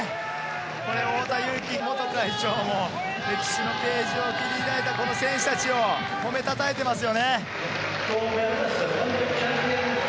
これ、太田雄貴元会長も、歴史のページを切り開いたこの選手たちを褒めたたえてますよね。